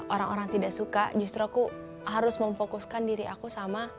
orang orang tidak suka justru aku harus memfokuskan diri aku sama